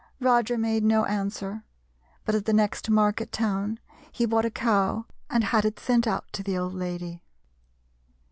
Roger made no answer, but at the next market town he bought a cow and had it sent out to the old lady.